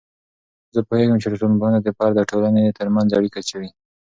زه پوهیږم چې ټولنپوهنه د فرد او ټولنې ترمنځ اړیکه څیړي.